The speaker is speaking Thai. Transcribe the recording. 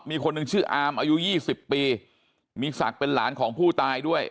มีคนหนึ่งชื่ออามอายุยี่สิบปีมีศักดิ์เป็นหลานของผู้ตายด้วย